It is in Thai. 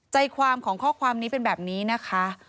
ใจความของข้อความนี้เป็นแบบนี้นะคะ